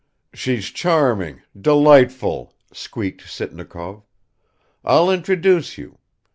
"She's charming, delightful," squeaked Sitnikov. "I'll introduce you.